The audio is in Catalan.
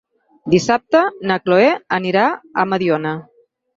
Dissabte na Cloè anirà a Mediona.